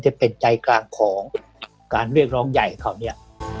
จะเป็นใจกลางของการเรียกร้องใหญ่คราวนี้